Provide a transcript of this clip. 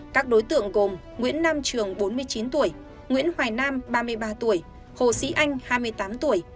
các đối tượng gồm nguyễn nam trường bốn mươi chín tuổi nguyễn hoài nam ba mươi ba tuổi hồ sĩ anh hai mươi tám tuổi